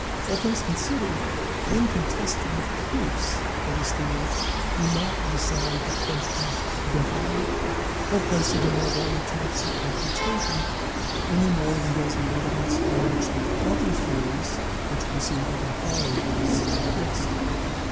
All things considered, the "incontestable proofs" of his theory do not decide the question definitely, or place it above all attempts at refutation, any more than does the evidence on which the other theories which preceded and followed his rest.